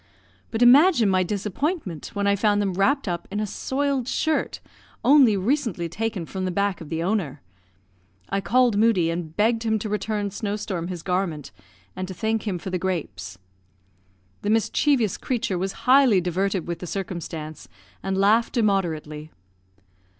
But imagine my disappointment, when I found them wrapped up in a soiled shirt, only recently taken from the back of the owner. I called Moodie, and begged him to return Snow storm his garment, and to thank him for the grapes. The mischievous creature was highly diverted with the circumstance, and laughed immoderately.